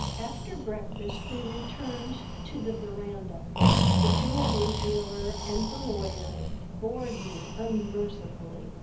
After breakfast we returned to the veranda. The jewelry dealer and the lawyer bored me unmercifully.